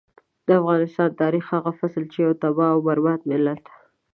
د افغان تاريخ هغه فصل چې يو تباه او برباد ملت.